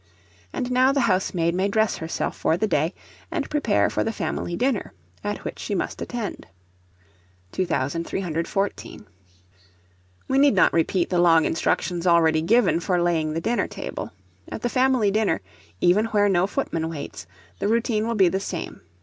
And now the housemaid may dress herself for the day, and prepare for the family dinner, at which she must attend. 2314. We need not repeat the long instructions already given for laying the dinner table. At the family dinner, even where no footman waits, the routine will be the same.